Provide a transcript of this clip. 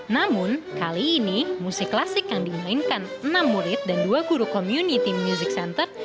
namun kali ini musik klasik yang dimainkan enam murid dan dua guru community music center